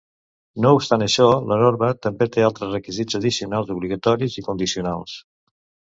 No obstant això, la norma també té altres requisits addicionals, obligatoris i condicionals.